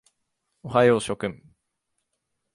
おはよう諸君。